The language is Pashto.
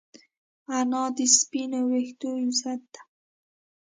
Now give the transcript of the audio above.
انا د سپین ویښتو عزت ده